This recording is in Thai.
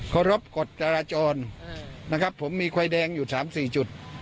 ครอบปฏิราจรนะครับผมมีควายแดงอยู่สามสี่จุด